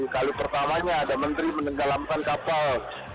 kali pertamanya ada menteri menenggelamkan kapal